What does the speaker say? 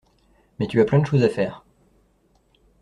Mais tu as plein de choses à faire.